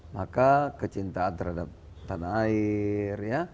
maka kecintaan terhadap tanah air